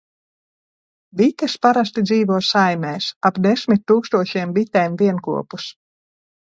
Bites parasti dzīvo saimēs - ap desmit tūkstošiem bitēm vienkopus.